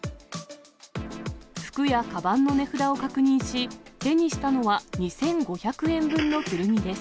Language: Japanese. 服やかばんの値札を確認し、手にしたのは２５００円分の古着です。